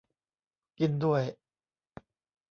กินด้วย !